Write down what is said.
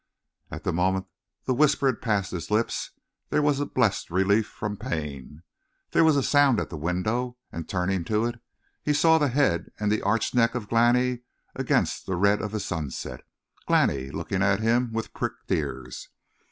And the moment the whisper had passed his lips there was a blessed relief from pain. There was a sound at the window, and turning to it, he saw the head and the arched neck of Glani against the red of the sunset Glani looking at him with pricked ears.